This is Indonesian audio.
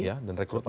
ya dan rekrutnya ya